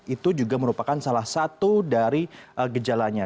itu juga merupakan salah satu dari gejalanya